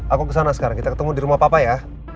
aku kesana sekarang kita ketemu di rumah papa ya